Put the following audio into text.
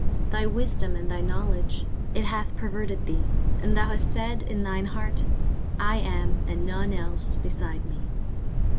Thy wisdom and thy knowledge, it hath perverted thee; and thou hast said in thine heart, I am, and none else beside me.